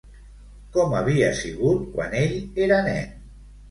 Com havia sigut quan ell era nen?